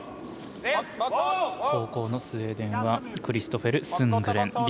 後攻のスウェーデンはクリストフェル・スングレン。